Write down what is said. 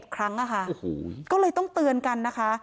ครั้งก็เลยต้องเตือนกันนะคะ